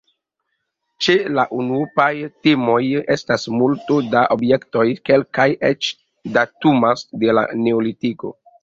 Ĉe la unuopaj temoj estas multo da objektoj; kelkaj eĉ datumas de la neolitiko.